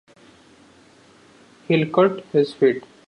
He'll cut his feet.